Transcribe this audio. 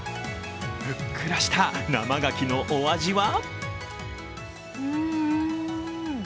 ふっくらした生牡蠣のお味は？